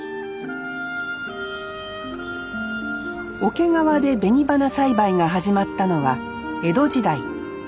桶川で紅花栽培が始まったのは江戸時代。